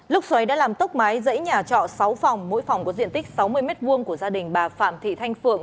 lốc xoáy đã làm tốc mái dãy nhà trọ sáu phòng mỗi phòng có diện tích sáu mươi m hai của gia đình bà phạm thị thanh phượng